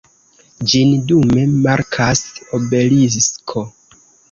Ĝin dume markas obelisko.